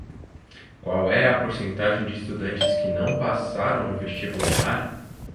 Qual é a porcentagem de estudantes que não passaram no vestibular?